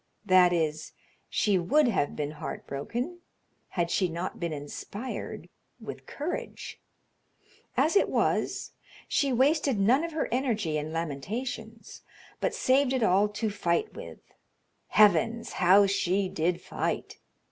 That is, she would have been heart broken had she not been inspired with courage. As it was, she wasted none of her energy in lamentations, but saved it all to fight with. Heavens! how she did fight!